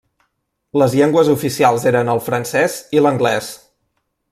Les llengües oficials eren el francès i l'anglès.